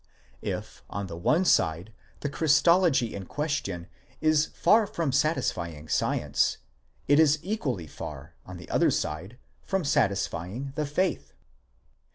5 If, on the one side, the Christology in question is far from satisfying science, it is equally far, on the other side, from satisfying the faith.